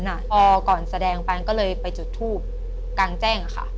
พอก่อนแสดงไปก็เลยไปจุดทูบกลางแจ้งค่ะ